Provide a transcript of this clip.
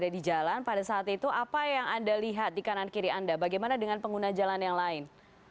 ada di jalan pada saat itu apa yang anda lihat di kanan kiri anda bagaimana dengan pengguna jalan yang lain